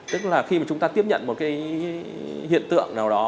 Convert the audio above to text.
tức là khi mà chúng ta tiếp nhận một cái hiện tượng nào đó